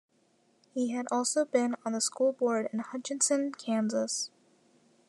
He had also been on the school board in Hutchinson, Kansas.